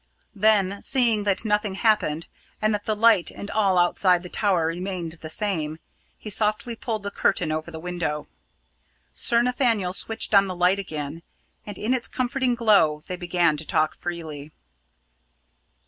Then, seeing that nothing happened, and that the light and all outside the tower remained the same, he softly pulled the curtain over the window. Sir Nathaniel switched on the light again, and in its comforting glow they began to talk freely.